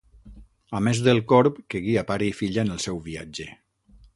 A més del corb que guia pare i filla en el seu viatge.